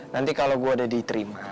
nanti kalau gue udah diterima